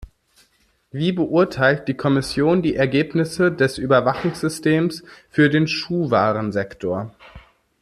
Wie beurteilt die Kommission die Ergebnisse des Überwachungssystems für den Schuhwarensektor?